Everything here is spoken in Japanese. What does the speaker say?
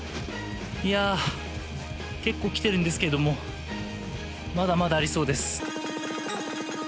いや、結構来てるんですけれどもまだまだありそうです。